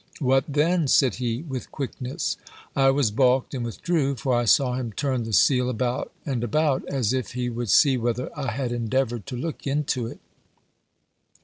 "What then," said he, with quickness. I was baulked, and withdrew. For I saw him turn the seal about and about, as if he would see whether I had endeavoured to look into it.